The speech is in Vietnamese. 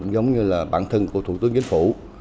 giống như là bản thân của thủ tướng chính phủ